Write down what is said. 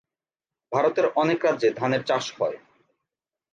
ভারতের অনেক রাজ্যে ধানের চাষ হয়।